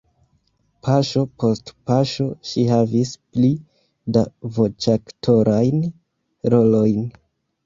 Paŝo post paŝo ŝi havis pli da voĉaktorajn rolojn.